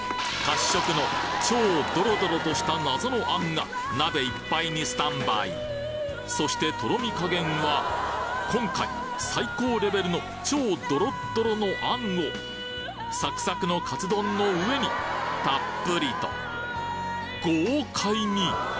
褐色の超ドロドロとした謎の餡が鍋いっぱいにスタンバイそしてとろみ加減は今回最高レベルの超ドロッドロの餡をサクサクのカツ丼の上にたっぷりと豪快に！